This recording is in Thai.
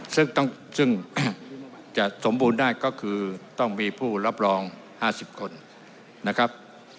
ซึ่งจะสมบูรณ์ได้ก็คือต้องมีผู้รับรอง๕๐คนนะครับ